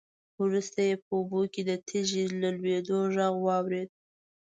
وروسته يې په اوبو کې د تېږې د لوېدو غږ واورېد.